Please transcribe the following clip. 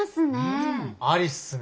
うん。ありっすね。